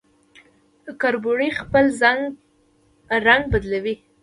کربوړی خپل رنګ بدلوي